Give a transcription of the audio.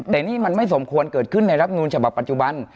แต่นี่มันไม่สมควรเกิดขึ้นในรับนูลฉบับปัจจุบัน